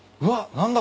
何だ？